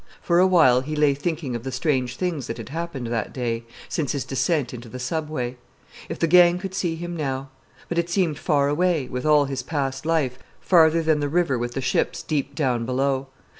For a while he lay thinking of the strange things that had happened that day, since his descent into the Subway. If the gang could see him now. But it seemed far away, with all his past life farther than the river with the ships deep down below.